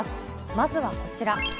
まずはこちら。